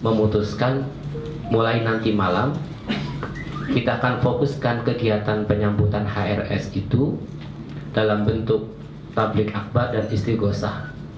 memutuskan mulai nanti malam kita akan fokuskan kegiatan penyambutan hrs itu dalam bentuk tablik akbar dan istiqosah